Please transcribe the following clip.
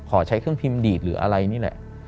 ขอใช้เครื่องพิมพ์ดีดหรืออะไรนี่แหละ